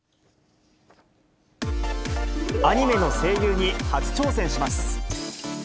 アニメの声優に初挑戦します。